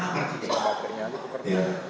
nah apa artinya